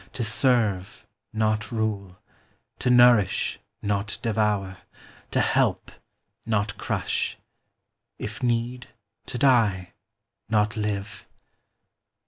To serve, not rule ; to nourish, not devour ; To help, not crush ; if need, to die, not live.